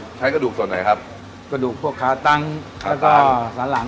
ใช้กระดูกส่วนไหนครับกระดูกพวกค้าตั้งแล้วก็สันหลัง